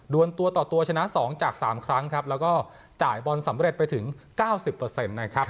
ดวนตัวต่อตัวชนะ๒จาก๓ครั้งแล้วก็จ่ายบอลสำเร็จไปถึง๙๐เปอร์เซ็นต์นะครับ